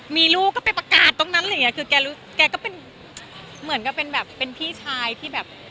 มีลูกก็ไปประกาศตรงนั้นอะไรอย่างเงี้คือแกรู้แกก็เป็นเหมือนกับเป็นแบบเป็นพี่ชายที่แบบ